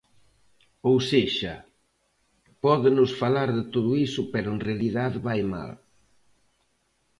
Ou sexa, pódenos falar de todo iso pero en realidade vai mal.